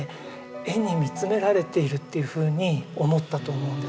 絵に見つめられているっていうふうに思ったと思うんです。